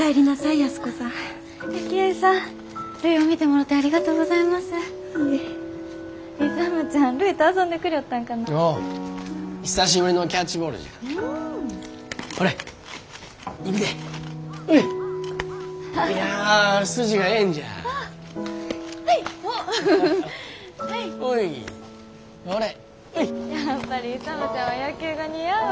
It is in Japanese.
・やっぱり勇ちゃんは野球が似合うわ。